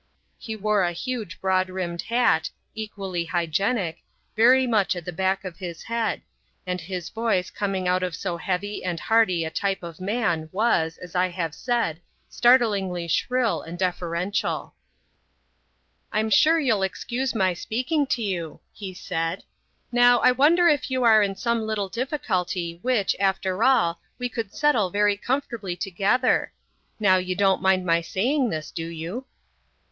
He wore a huge broad brimmed hat, equally hygienic, very much at the back of his head, and his voice coming out of so heavy and hearty a type of man was, as I have said, startlingly shrill and deferential. "I'm sure you'll excuse my speaking to you," he said. "Now, I wonder if you are in some little difficulty which, after all, we could settle very comfortably together? Now, you don't mind my saying this, do you?"